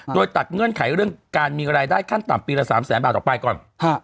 โดยตัดเงื่อนไขเรื่องการมีรายได้ขั้นต่ำปีละ๓แสนบาทออกไปก่อน